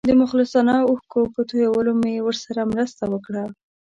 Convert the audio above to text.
د مخلصانه اوښکو په تویولو مې ورسره مرسته وکړه.